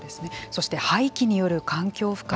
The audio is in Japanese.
そして廃棄による環境負荷